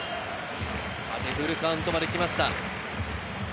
フルカウントまで来ました。